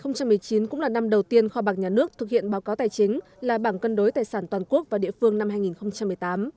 năm hai nghìn một mươi chín cũng là năm đầu tiên kho bạc nhà nước thực hiện báo cáo tài chính là bảng cân đối tài sản toàn quốc và địa phương năm hai nghìn một mươi tám